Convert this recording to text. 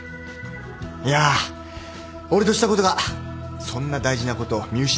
いや俺としたことがそんな大事なことを見失ってたよ。